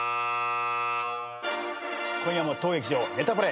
今夜も当劇場『ネタパレ』